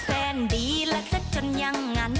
แสนหลักจนยังงัน